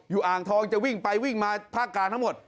อ่างทองจะวิ่งไปวิ่งมาภาคกลางทั้งหมด